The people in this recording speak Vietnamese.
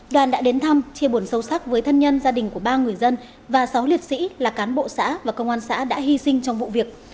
đoàn đã đến thăm chia buồn sâu sắc với thân nhân gia đình của ba người dân và sáu liệt sĩ là cán bộ xã và công an xã đã hy sinh trong vụ việc